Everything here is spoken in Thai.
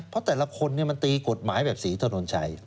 เพราะแต่ละคนมันตีกฎหมายแบบศรีถนนชัย